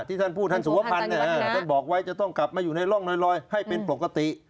ท่านพูดท่านสุวพันธ์ท่านบอกไว้จะต้องกลับมาอยู่ในร่องลอยให้เป็นปกติ